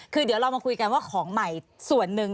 คือเดี๋ยวเรามาคุยกันว่าของใหม่ส่วนหนึ่ง